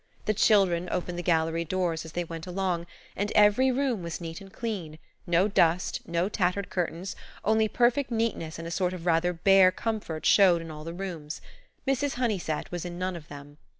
The children opened the gallery doors as they went along, and every room was neat and clean–no dust, no tattered curtains, only perfect neatness and a sort of rather bare comfort showed in all the rooms. Mrs. Honeysett was in none of them.